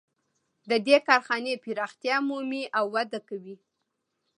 د دې کارخانې پراختیا مومي او وده کوي